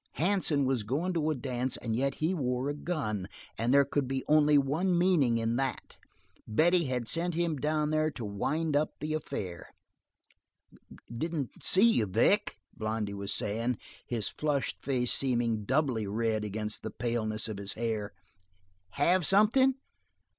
Hansen was going to a dance, and yet he wore a gun, and there could be only one meaning in that: Betty had sent him down there to wind up the affair. "Didn't see you, Vic," Blondy was saying, his flushed face seeming doubly red against the paleness of his hair. "Have something?"